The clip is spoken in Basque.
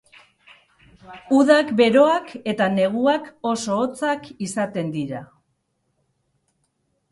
Udak beroak eta neguak oso hotzak izaten dira.